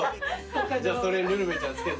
じゃそれにルルベちゃん付けて。